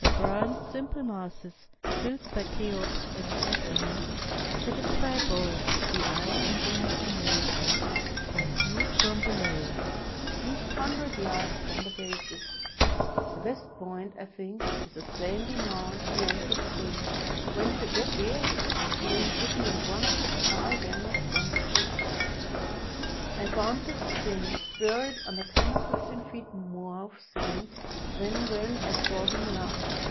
The grand, simple masses, built by Cheops and Cephrenes, satisfy both the e3^e and the imagination when viewed from below, a few hundred yards from their bases. The best point, I think, is a sandy mound beyond the Sphinx, whence you get the exact view given in one of Carl Werner's wonderful aquarelles. I found the Sphinx buried under ten or fifteen feet more of sand than when I saw him last.